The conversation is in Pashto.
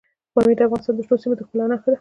پامیر د افغانستان د شنو سیمو د ښکلا نښه ده.